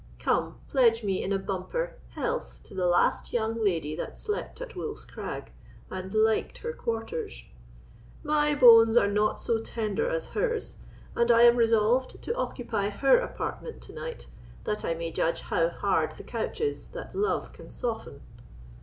Come, pledge me in a bumper health to the last young lady that slept at Wolf's Crag, and liked her quarters. My bones are not so tender as hers, and I am resolved to occupy her apartment to night, that I may judge how hard the couch is that love can soften."